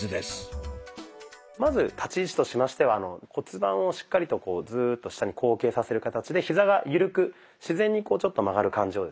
まず立ち位置としましては骨盤をしっかりとこうズーッと下に後傾させる形でヒザが緩く自然にこうちょっと曲がる感じをですね。